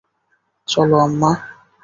চলো, আম্মা।